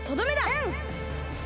うん！